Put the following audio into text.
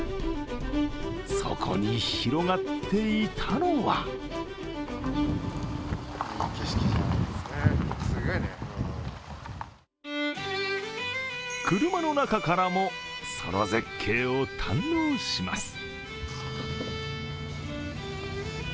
そこに広がっていたのは車の中からも、その絶景を堪能します。